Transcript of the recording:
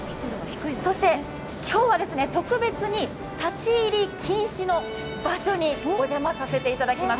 そして今日は特別に立ち入り禁止の場所にお邪魔させていただきます。